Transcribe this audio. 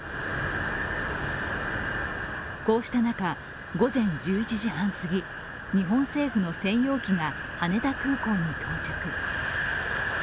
こうした中、午前１１時半すぎ、日本政府の専用機が羽田空港に到着。